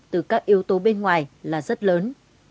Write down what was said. từ các yếu tố bên ngoài là rất lớn